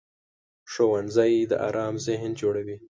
ښوونځی د ارام ذهن جوړوي